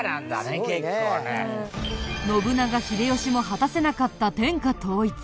信長秀吉も果たせなかった天下統一。